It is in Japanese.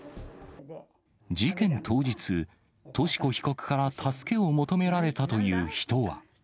事件当日、とし子被告から助けを求められたという人は。